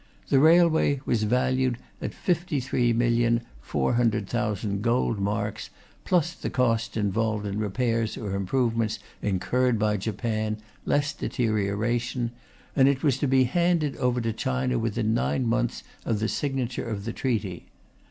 The railway was valued at 53,400,000 gold marks, plus the costs involved in repairs or improvements incurred by Japan, less deterioration; and it was to be handed over to China within nine months of the signature of the treaty.